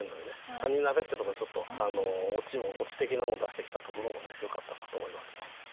「カニ鍋」ってとこがちょっとオチ的なもの出してきたところもねよかったなと思いますね。